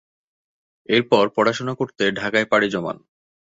এরপর পড়াশোনা করতে ঢাকায় পাড়ি জমান।